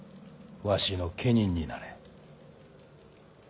わしの家人になれ。